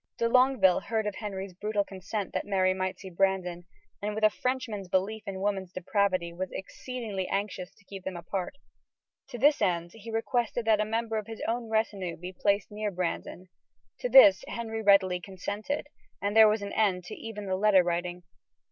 De Longueville heard of Henry's brutal consent that Mary might see Brandon, and, with a Frenchman's belief in woman's depravity, was exceedingly anxious to keep them apart. To this end he requested that a member of his own retinue be placed near Brandon. To this Henry readily consented, and there was an end to even the letter writing.